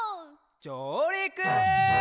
じょうりく！